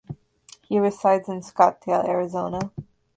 He resides in Scottsdale, Arizona.